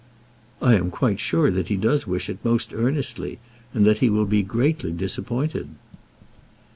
"I am quite sure that he does wish it, most earnestly; and that he will be greatly disappointed."